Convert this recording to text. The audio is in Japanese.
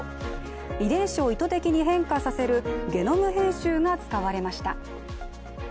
遺伝子を意図的に変化させるゲノム編集が使われました。